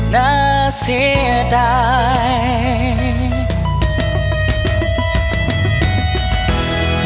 น่าเสียดาย